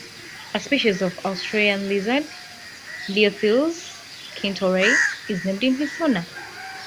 A species of Australian lizard, "Liopholis kintorei", is named in his honour.